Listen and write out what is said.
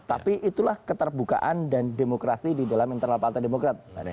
tapi itulah keterbukaan dan demokrasi di dalam internal partai demokrat